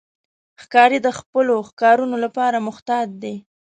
ښکاري د خپلو ښکارونو لپاره محتاط دی.